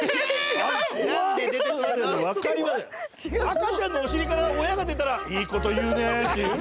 赤ちゃんのおしりから親が出たらいいこと言うねっていう？